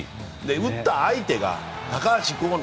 打った相手が高橋光成